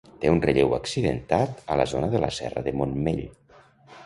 Té un relleu accidentat a la zona de la serra de Montmell.